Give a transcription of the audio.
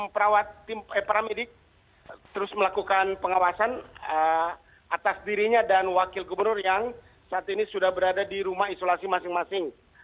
perawat paramedik terus melakukan pengawasan atas dirinya dan wakil gubernur yang saat ini sudah berada di rumah isolasi masing masing